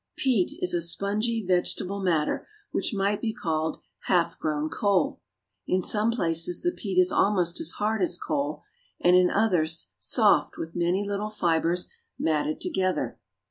Peat is a spongy, vegetable matter which might be called half grown coal. In some places the peat is almost as hard as coal, and in others soft with many little fibers matted together.